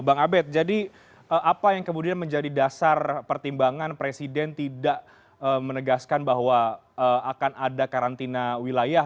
bang abed jadi apa yang kemudian menjadi dasar pertimbangan presiden tidak menegaskan bahwa akan ada karantina wilayah